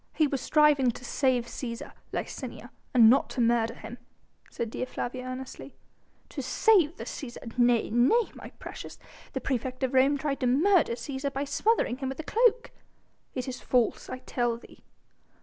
"He was striving to save Cæsar, Licinia, and not to murder him," said Dea Flavia earnestly. "To save the Cæsar? Nay! nay! my precious, the praefect of Rome tried to murder Cæsar by smothering him with a cloak." "It is false I tell thee!"